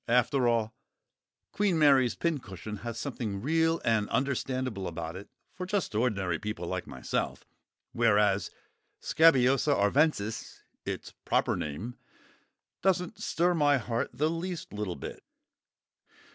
After all, "Queen Mary's Pincushion" has something real and understandable about it for just ordinary people like myself; whereas Scabiosa arvensis (its proper name) doesn't stir my heart the least little bit.